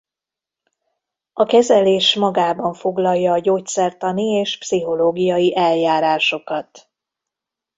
A kezelés magában foglalja a gyógyszertani és pszichológiai eljárásokat.